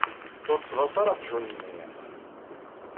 Ur ttḍas ara aqjun-nni!